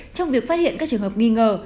trong việc phát hiện các trường hợp nghi ngờ